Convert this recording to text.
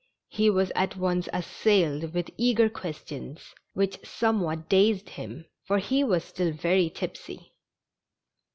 He was at once assailed with eager questions, which somewhat dazed him, for he was still very tipsy.